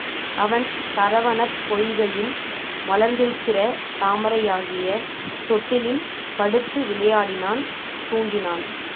அவன் சரவணப் பொய்கையில் மலர்ந்திருக்கிற தாமரையாகிய தொட்டிலில் படுத்து விளையாடினான் தூங்கினான்.